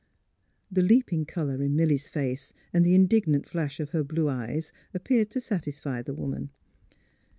The leaping colour in Milly 's face and the in dignant flash of her blue eyes appeared to satisfy the woman.